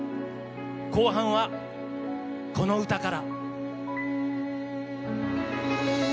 後半はこの歌から。